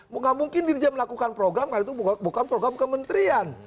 tidak mungkin dirjen melakukan program karena itu bukan program kementrian